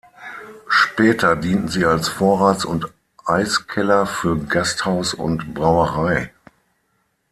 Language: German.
Später dienten sie als Vorrats- und Eiskeller für Gasthaus und Brauerei.